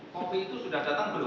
kopi itu sudah datang belum